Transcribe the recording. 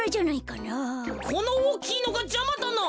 このおおきいのがじゃまだな。